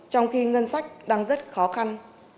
trong khi ngân sách đang rất khó khăn